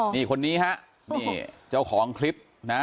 นี่คนนี้เจ้าของคลิป